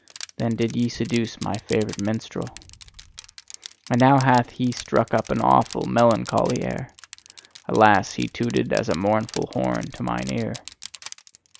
Then did ye seduce my favourite minstrel. And now hath he struck up an awful, melancholy air; alas, he tooted as a mournful horn to mine ear!